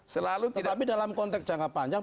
tetapi dalam konteks jangka panjang